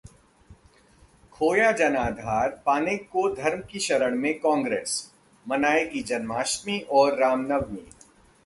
खोया जनाधार पाने को धर्म की शरण में कांग्रेस, मनाएगी जन्माष्टमी और रामनवमी